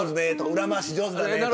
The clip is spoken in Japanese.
裏回し上手だねとか。